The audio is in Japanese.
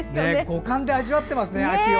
五感で秋を味わってますね。